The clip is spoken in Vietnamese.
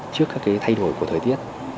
trước các thay đổi của thời tiết